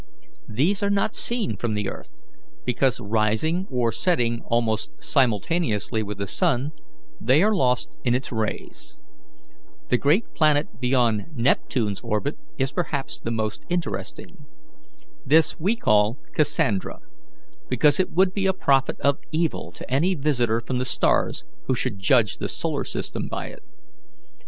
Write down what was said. These are not seen from the earth, because, rising or setting almost simultaneously with the sun, they are lost in its rays. The great planet beyond Neptune's orbit is perhaps the most interesting. This we call Cassandra, because it would be a prophet of evil to any visitor from the stars who should judge the solar system by it.